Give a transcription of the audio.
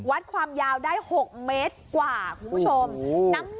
วัดความยาวได้๖เมตรกว่าคุณผู้ชม